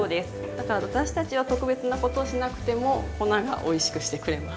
だから私たちが特別なことをしなくても粉がおいしくしてくれます。